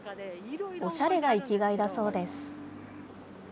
おしゃれが生きがいだそうです。